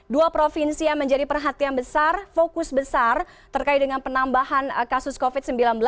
dua provinsi yang menjadi perhatian besar fokus besar terkait dengan penambahan kasus covid sembilan belas